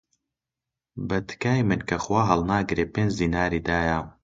بە تکای من کە خوا هەڵناگرێ، پێنج دیناری دایە